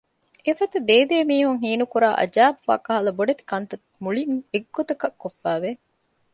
އެފަދަ ދޭދޭ މީހުން ހީނުކުރާ އަޖައިބު ވާކަހަލަ ބޮޑެތި ކަންތައް މުޅިން އެއްގޮތަކަށް ކޮށްފައިވެ